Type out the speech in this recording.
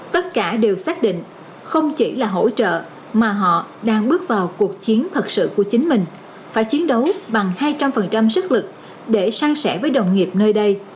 tất cả đều xác định không chỉ là hỗ trợ mà họ đang bước vào cuộc chiến thật sự của chính mình phải chiến đấu bằng hai trăm linh sức lực để sang sẻ với đồng nghiệp nơi đây